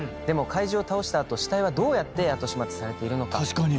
でも怪獣を倒した後死体はどうやって後始末されているのか。